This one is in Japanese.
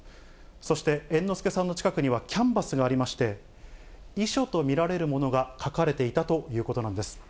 そして、猿之助さんの近くにはキャンバスがありまして、遺書と見られるものが書かれていたということなんです。